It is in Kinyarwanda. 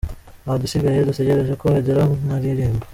Nta gisigaye, dutegereje ko hagera nkaririmba.